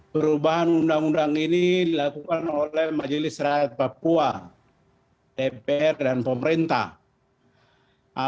perubahan undang undang ini dilakukan oleh majelis rakyat papua dpr dan pemerintah